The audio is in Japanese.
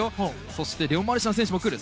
そしてレオン・マルシャン選手も来る。